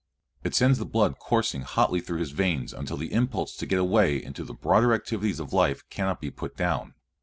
It sends the blood coursing hotly through his veins until the impulse to get away into the broader activities of life cannot be put down.